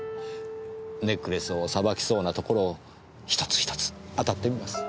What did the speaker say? ネックレスをさばきそうな所を１つ１つ当たってみます。